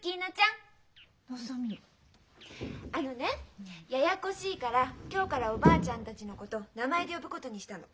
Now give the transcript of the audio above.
あのねややこしいから今日からおばあちゃんたちのこと名前で呼ぶことにしたの。